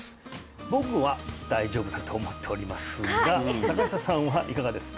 僕は大丈夫だと思っておりますが坂下さんはいかがですか？